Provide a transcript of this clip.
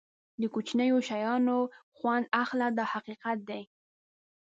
د کوچنیو شیانو خوند اخله دا حقیقت دی.